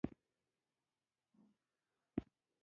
ډاکټر بايد د ټولني خدمت ګار وي.